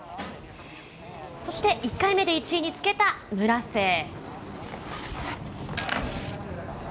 そして１回目で１位につけた村瀬。